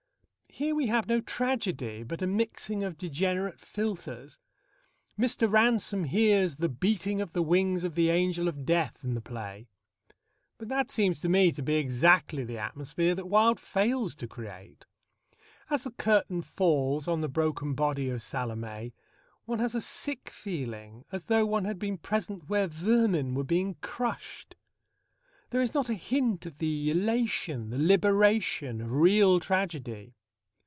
Here we have no tragedy, but a mixing of degenerate philtres. Mr. Ransome hears "the beating of the wings of the angel of death" in the play; but that seems to me to be exactly the atmosphere that Wilde fails to create. As the curtain falls on the broken body of Salomé one has a sick feeling, as though one had been present where vermin were being crushed. There is not a hint of the elation, the liberation, of real tragedy.